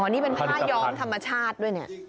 นี่เป็นผ้าย้อมธรรมชาติด้วยเนี่ย